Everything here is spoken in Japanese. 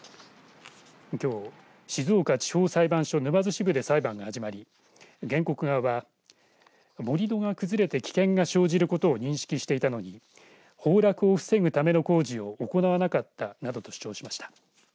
きょう静岡地方裁判所沼津支部で裁判が始まり原告側は盛り土が崩れて危険が生じることを認識していたのに崩落を防ぐための工事を行わなかったなどと主張しました。